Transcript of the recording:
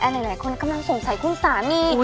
อันนี้หลายคุณกำลังสงสัยคุณสามี